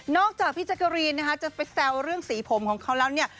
จากพี่แจ๊กกะรีนนะคะจะไปแซวเรื่องสีผมของเขาแล้วเนี่ย